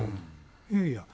いやいや。